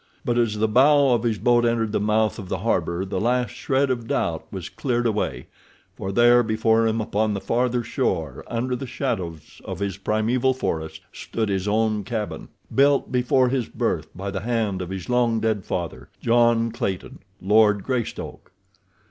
But as the bow of his boat entered the mouth of the harbor the last shred of doubt was cleared away, for there before him upon the farther shore, under the shadows of his primeval forest, stood his own cabin—built before his birth by the hand of his long dead father, John Clayton, Lord Greystoke.